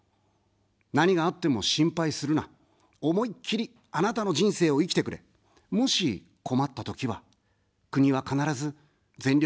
何があっても心配するな、思いっきり、あなたの人生を生きてくれ、もし困ったときは、国は必ず全力であなたに手を差し伸べる。